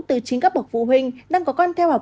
từ chín cấp bậc phụ huynh đang có con theo học